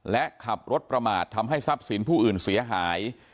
และขับรถประมาททำให้ทรัพย์สินผู้อื่นเสียหาย